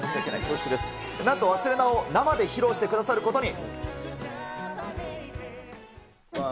なんと勿忘を、生で披露してくださることに。